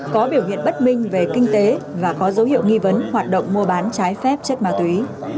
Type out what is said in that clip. có biểu hiện bất minh về kinh tế và có dấu hiệu nghi vấn hoạt động mua bán trái phép chất ma túy